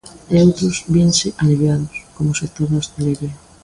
E outros vense aliviados, como o sector da hostalería.